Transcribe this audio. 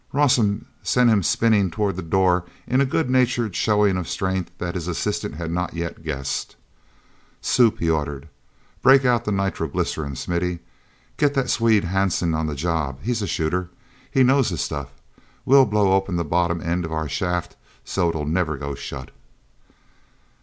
Rawson sent him spinning toward the door in a good natured showing of strength that his assistant had not yet guessed. "Soup!" he ordered. "Break out the nitroglycerine, Smithy. Get that Swede, Hanson, on the job; he's a shooter. He knows his stuff. We'll blow open the bottom end of our shaft so it'll never go shut!"